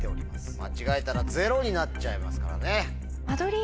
間違えたらゼロになっちゃいますからね。